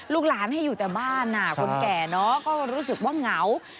ลูกหลานให้อยู่แต่บ้านคนแก่เนอะก็รู้สึกว่าเหงา